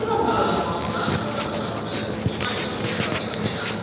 「あの壇ノ浦のタスクリマインドしといたから見といてな」。